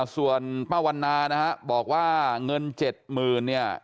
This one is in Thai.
ส่วนป้าวันนานะฮะบอกว่าเงิน๗๐๐๐เนี่ย